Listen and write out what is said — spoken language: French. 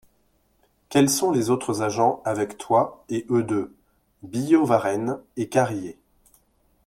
Quels sont les autres agents avec toi et eux deux ? Billaud-Varenne et Carrier.